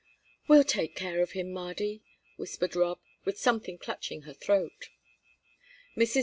"We'll take care of him, Mardy," whispered Rob, with something clutching her throat. Mrs.